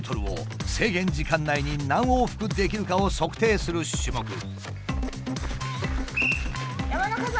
２０ｍを制限時間内に何往復できるかを測定する種目。